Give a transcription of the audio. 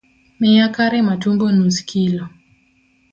Miya kare matumbo nus kilo